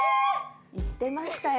行ってましたよ。